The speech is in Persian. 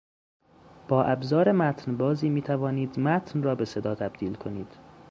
با ابزار متنبازی میتوانید متن را به صدا تبدیل کنید.